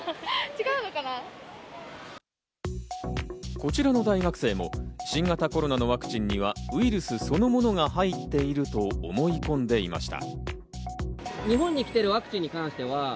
こちらの大学生も新型コロナのワクチンにはウイルスそのものが入っていると思い込んでいました。